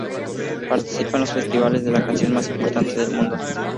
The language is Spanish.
Participa en los festivales de la canción más importantes del momento.